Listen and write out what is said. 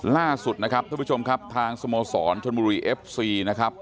ล่าสุดนะครับท่านผู้ชมครับทางสโมสรชนบุรีเอฟซีนะครับ